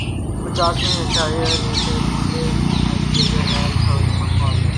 پچاسویں حاشیے کی لینتھ تیسرے حاشیے سے غیر شعوری مماثل ہے